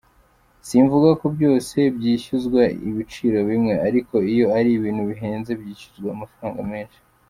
Simvuga ko byose byishyuzwa ibiciro bimwe ariko iyo ari ibintu bihenze byishyuzwa amafaranga menshi.